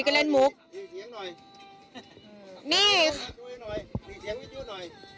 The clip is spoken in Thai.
บ้านน้องตอกแป้นนี้ครับ